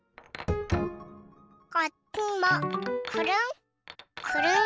こっちもくるんくるん。